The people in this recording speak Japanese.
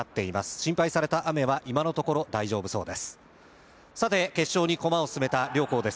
心配された雨は今のところ大丈夫そうです